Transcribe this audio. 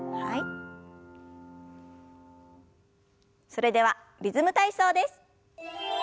それでは「リズム体操」です。